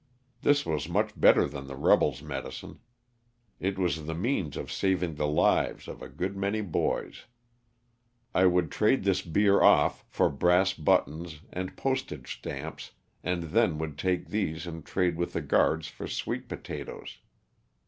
This was much better than the rebels' medicine. It was the means of saving the lives of a good many boys. I would trade this beer off for brass buttons and postage stamps and then would take these and trade with the guards for sweet potatoes.